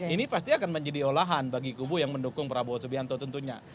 ini pasti akan menjadi olahan bagi kubu yang mendukung prabowo subianto tentunya